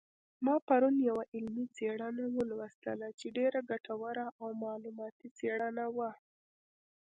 ما پرون یوه علمي څېړنه ولوستله چې ډېره ګټوره او معلوماتي څېړنه وه